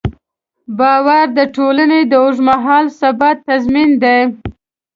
باور د ټولنې د اوږدمهاله ثبات تضمین دی.